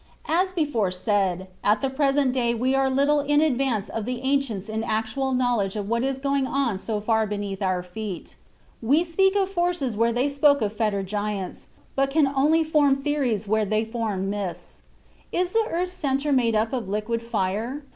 As before said, at the present day we are little in advance of the ancients in actual knowledge of what is going on so far beneath our feet. We speak of forces where they spoke of fettered giants, but can only form theories where they formed myths. Is the earth's centre made up of liquid fire?